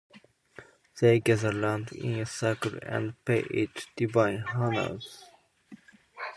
They gather round in a circle and pay it divine honors.